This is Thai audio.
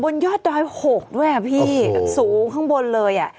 บนยอดดอย๖ด้วยครับพี่สูงข้างบนเลย